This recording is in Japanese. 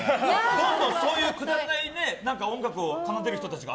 どんどん、そういうくだらない音楽を奏でる人が